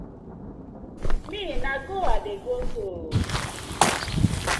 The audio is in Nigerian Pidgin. Me na go I dey go so ooo.